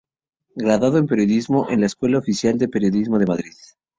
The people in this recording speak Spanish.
Graduado en Periodismo en la Escuela Oficial de Periodismo de Madrid.